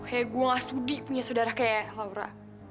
pokoknya gue gak sudi punya saudara kayak laura